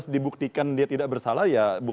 dibuktikan dia tidak bersalah